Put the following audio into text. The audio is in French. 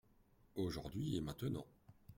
Aujourd’hui et maintenant.